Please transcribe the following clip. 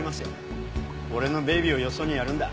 俺のベイビーをよそにやるんだ。